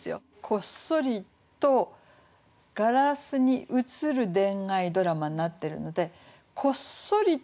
「こっそりとガラスに映る恋愛ドラマ」になってるので「こっそりと映る」